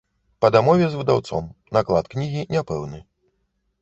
Па дамове з выдаўцом, наклад кнігі няпэўны.